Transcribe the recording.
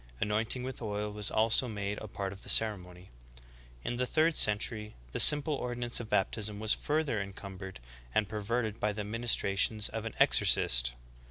Anointing with oil was also made a part of the ceremony. In the third century the simple ordinance of baptism was further encumbered and perverted by the ministrations of an exorcist.